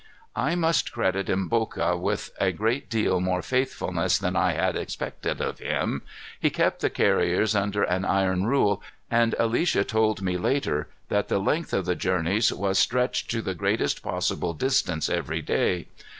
I must credit Mboka with a great deal more faithfulness than I had expected of him. He kept the carriers under an iron rule, and Alicia told me later that the length of the journeys was stretched to the greatest possible distance every day.